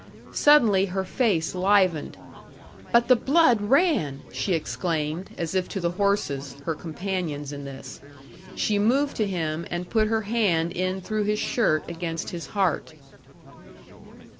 Suddenly her face livened. "But the blood ran!" she exclaimed, as if to the horses, her companions in this. She moved to him, and put her hand in through his shirt against his heart.